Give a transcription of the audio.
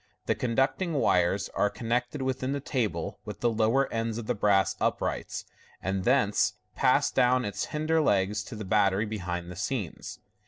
The conducting wires are connected within the table with the lower ends of the brass uprights, and thence pass down its hinder legs to the battery behind the scenes..